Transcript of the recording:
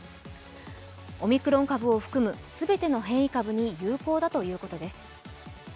オミクロン株を含む全ての変異株に有効だということです。